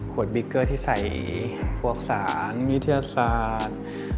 ขวดบิ๊กเกอร์ที่ใส่ภูเขาอักษรวิทยาศาสตร์